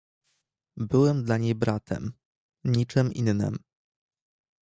"Byłem dla niej bratem, niczem innem."